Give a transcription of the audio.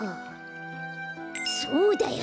そうだよ！